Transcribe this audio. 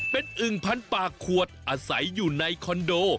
เป็นอึ่งพันปากขวดอาศัยอยู่ในคอนโด